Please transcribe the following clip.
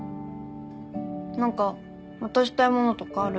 何か渡したいものとかある？